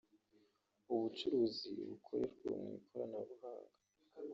ubucuruzi bukorerwa mu ikoranabuhanga